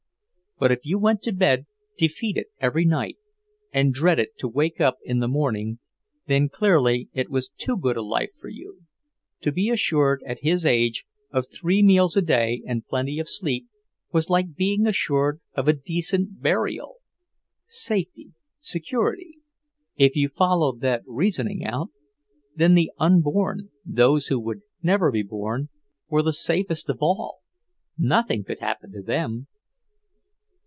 But if you went to bed defeated every night, and dreaded to wake in the morning, then clearly it was too good a life for you. To be assured, at his age, of three meals a day and plenty of sleep, was like being assured of a decent burial. Safety, security; if you followed that reasoning out, then the unborn, those who would never be born, were the safest of all; nothing could happen to them.